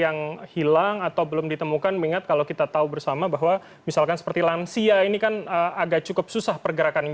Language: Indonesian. yang hilang atau belum ditemukan mengingat kalau kita tahu bersama bahwa misalkan seperti lansia ini kan agak cukup susah pergerakan ini